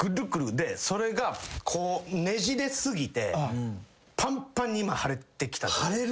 でそれがこうねじれ過ぎてぱんぱんに腫れてきた。